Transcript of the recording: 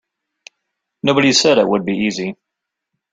Nobody said it would be easy.